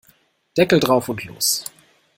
Deckel drauf und los!